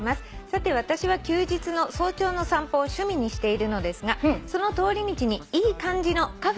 「さて私は休日の早朝の散歩を趣味にしているのですがその通り道にいい感じのカフェを見つけたのです」